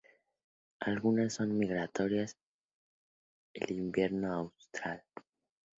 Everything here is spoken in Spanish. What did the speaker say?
Algunas son migratorias en el invierno austral.